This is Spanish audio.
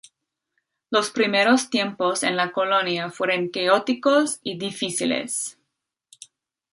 Los primeros tiempos en la colonia fueron caóticos y difíciles.